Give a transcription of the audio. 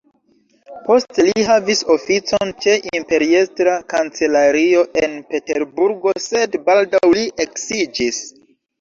Poste li havis oficon ĉe imperiestra kancelario en Peterburgo, sed baldaŭ li eksiĝis.